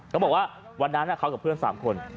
เขาบอกว่าวันนั้นเขากับเพื่อน๓คน